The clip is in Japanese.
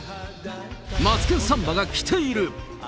マツケンサンバがきている！